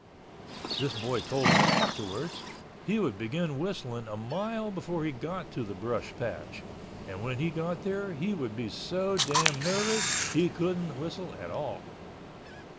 This boy told me afterwards he would begin whistling a mile before he got to the brush patch, and when he got there he would be so damn nervous he couldn't whistle at all.